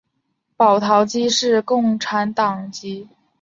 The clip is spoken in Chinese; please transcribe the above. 保陶基是共和党籍。